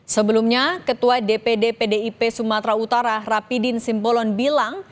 sebelumnya ketua dpd pdip sumatera utara rapidin simbolon bilang